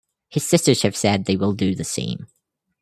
His sisters have said they will do the same.